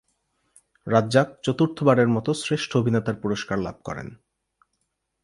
রাজ্জাক চতুর্থবারের মত শ্রেষ্ঠ অভিনেতার পুরস্কার লাভ করেন।